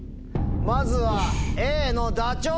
まずはＡのダチョウ。